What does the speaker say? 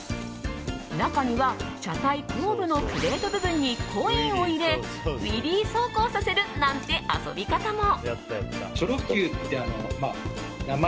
中には車体後部のプレート部分にコインを入れウィリー走行させるなんて遊び方も。